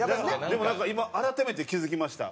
でもなんか今改めて気付きました。